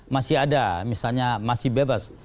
masih ada misalnya masih bebas